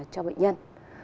cho bệnh nhân